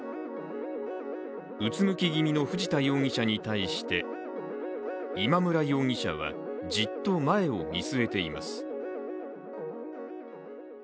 うつむき気味の藤田容疑者に対して今村容疑者は、じっと前を見据えています。